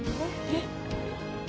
えっ？